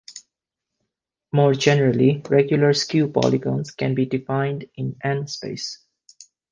More generally "regular skew polygons" can be defined in "n"-space.